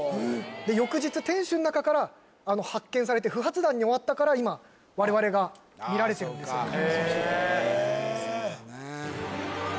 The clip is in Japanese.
で翌日天守の中から発見されて不発弾に終わったから今我々が見られてるんですよね